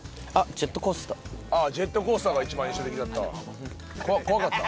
ああジェットコースターが一番印象的だった？